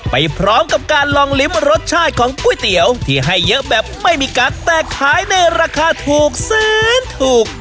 ไปพร้อมกับการลองลิ้มรสชาติของก๋วยเตี๋ยวที่ให้เยอะแบบไม่มีกั๊กแตกขายในราคาถูกแสนถูก